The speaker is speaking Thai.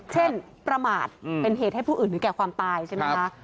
ประมาทเป็นเหตุให้ผู้อื่นถึงแก่ความตายใช่ไหมคะ